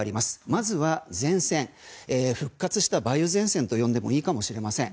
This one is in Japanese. まずは前線、復活した梅雨前線と呼んでもいいかもしれません。